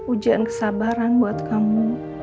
ujian kesabaran buat kamu